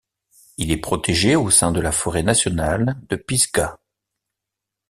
Il est protégé au sein de la forêt nationale de Pisgah.